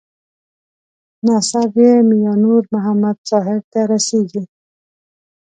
نسب یې میانور محمد صاحب ته رسېږي.